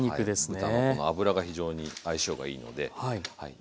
豚の脂が非常に相性がいいのではい。